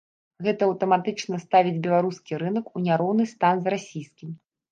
Гэта аўтаматычна ставіць беларускі рынак у няроўны стан з расійскім.